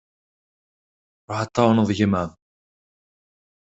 Ruḥ ad tεawneḍ gma-m.